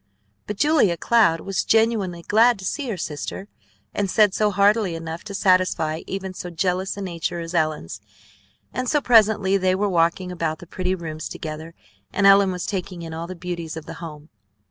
But Julia Cloud was genuinely glad to see her sister, and said so heartily enough to satisfy even so jealous a nature as Ellen's; and so presently they were walking about the pretty rooms together, and Ellen was taking in all the beauties of the home.